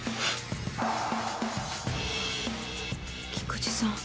菊地さん